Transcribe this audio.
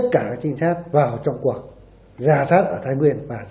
truy tìm hung thủ